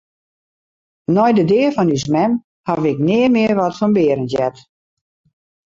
Nei de dea fan ús mem haw ik nea mear wat fan Berend heard.